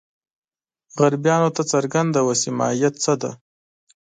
غربیانو ته څرګنده وه چې ماهیت څه دی.